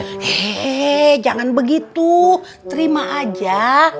hei jangan begitu terima aja